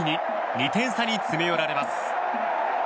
２点差に詰め寄られます。